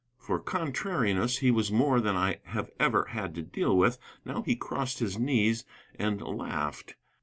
For contrariness he was more than I have ever had to deal with. Now he crossed his knees and laughed.